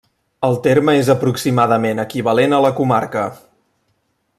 El terme és aproximadament equivalent a la comarca.